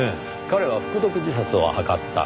彼は服毒自殺を図った。